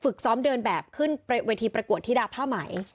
ซ้อมเดินแบบขึ้นเวทีประกวดธิดาผ้าไหม